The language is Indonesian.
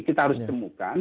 kita harus temukan